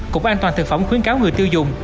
cục an toàn thực phẩm khuyến cáo người tiêu dùng